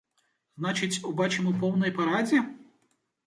Значыць, убачым у поўнай парадзе?